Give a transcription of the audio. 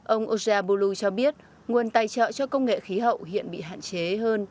ông ojeabulu cho biết nguồn tài trợ cho công nghệ khí hậu hiện bị hạn chế hơn